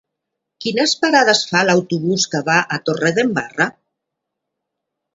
Quines parades fa l'autobús que va a Torredembarra?